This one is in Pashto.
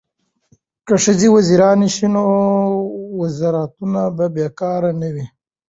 که ښځې وزیرانې شي نو وزارتونه به بې کاره نه وي.